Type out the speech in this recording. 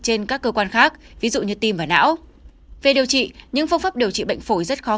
trên các cơ quan khác ví dụ như tim và não về điều trị những phương pháp điều trị bệnh phổi rất khó